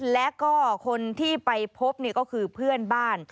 แล้วก็คนที่ไปพบก็คือเพื่อนบ้าน